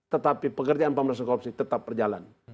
tetapi pekerjaan pemerintah korupsi tetap berjalan